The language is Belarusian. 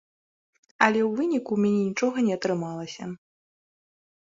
Але ў выніку ў мяне нічога не атрымалася.